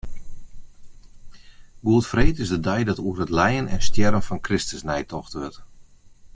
Goedfreed is de dei dat oer it lijen en stjerren fan Kristus neitocht wurdt.